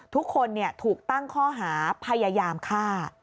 ทุกคนเนี่ยถูกตั้งข้อหาพยายามค่ะ